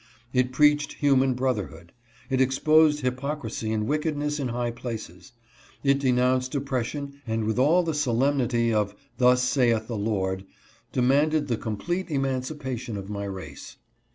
It preached human broth erhood; it exposed hypocrisy and wickedness in high places; it denounced oppression and with all the sol 264 CONTACT WITH GARRISON. enmity of " Thus saith the Lord," demanded the complete emancipation of my race.